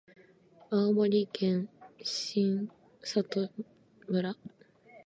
青森県新郷村